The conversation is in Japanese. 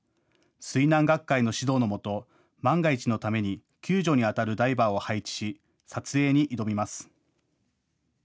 水難学会の指導のもと万が一のために救助にあたるダイバーを配置し撮影に挑みます。